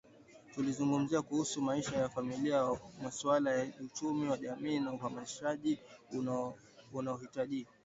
Tulizungumza kuhusu maisha ya familia masuala ya uchumi wa jamii na uhamaishaji tunaohitaji